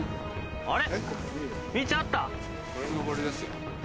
あれ？